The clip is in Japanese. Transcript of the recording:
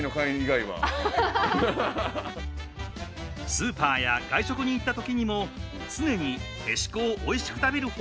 スーパーや外食に行った時にも常にへしこをおいしく食べる方法を研究。